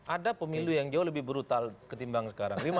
ada pemilu yang jauh lebih brutal ketimbang sekarang